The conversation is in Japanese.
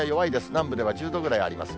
南部では１０度ぐらいあります。